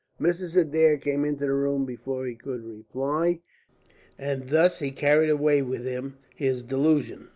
Mrs. Adair came into the room before he could reply, and thus he carried away with him his delusion.